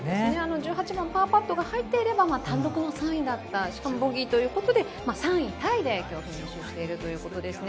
１８番、パーパットが入っていれば単独の３位だったしかもボギーということで３位タイで今日はフィニッシュしているということですね。